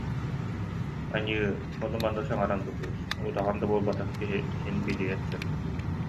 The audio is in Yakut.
Аньыы, ону-маны саҥаран бу кыыс, удаҕан да буолбатах киһи син билиэн сөп